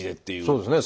そうですね